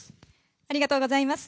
ありがとうございます。